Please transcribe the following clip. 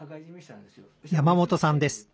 山本さんです。